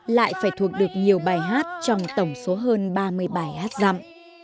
lại phải thuộc được nhiều bài hát trong tổng số hơn ba mươi bài hát dặm